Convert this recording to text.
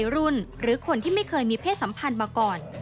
รุ่นหรือคนที่ไม่เคยมีเพศสัมพันธ์มาก่อน